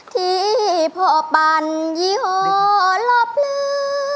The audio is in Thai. ที่พ่อปั่นยี่ห้อรอบนื้อ